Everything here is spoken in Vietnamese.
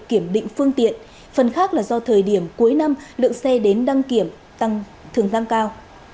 kiểm định phương tiện phần khác là do thời điểm cuối năm lượng xe đến đăng kiểm tăng thường tăng cao